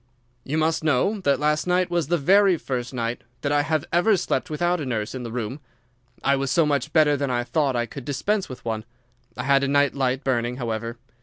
"You must know that last night was the very first night that I have ever slept without a nurse in the room. I was so much better that I thought I could dispense with one. I had a night light burning, however.